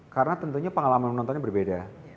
karena tentunya pengalaman menontonnya berbeda